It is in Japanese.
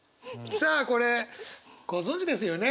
さあこれご存じですよね？